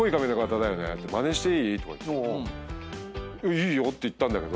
いいよって言ったんだけど。